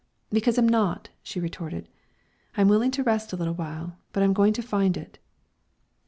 "Because I'm not," she retorted. "I'm willing to rest a little while, but I'm going to find it."